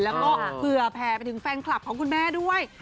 แล้วก็เผื่อแผ่ไปถึงแฟนคลับของคุณแม่ด้วย